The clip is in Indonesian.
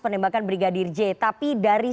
penembakan brigadir j tapi dari